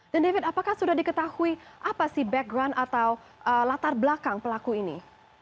dan david apakah sudah diketahui apa sih background atau latar belakang pelaku ini